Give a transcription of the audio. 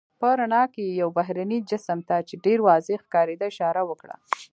په رڼا کې یې یو بهرني جسم ته، چې ډېر واضح ښکارېده اشاره وکړه.